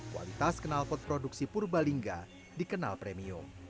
kualitas kenalpot produksi purbalingga dikenal premium